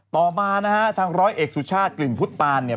ต่อมานะฮะทางร้อยเอกสุชาติกลิ่นพุทธตานเนี่ย